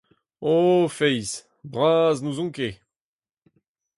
O, feiz, bras n’ouzon ket.